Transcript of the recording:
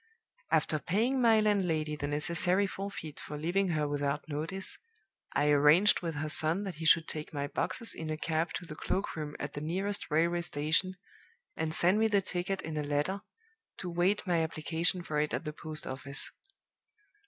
"After paying my landlady the necessary forfeit for leaving her without notice, I arranged with her son that he should take my boxes in a cab to the cloak room at the nearest railway station, and send me the ticket in a letter, to wait my application for it at the post office.